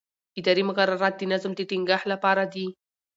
اداري مقررات د نظم د ټینګښت لپاره دي.